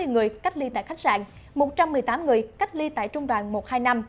tám mươi người cách ly tại khách sạn một trăm một mươi tám người cách ly tại trung đoàn một hai năm